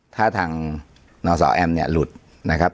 ถ้าทางนสแอมเนี่ยหลุดนะครับ